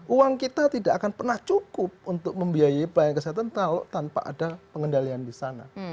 uang kita tidak akan pernah cukup untuk membiayai pelayanan kesehatan tanpa ada pengendalian di sana